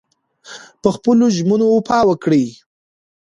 په خپلو ژمنو وفا وکړئ.